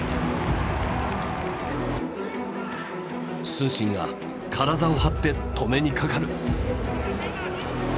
承信が体を張って止めにかかる。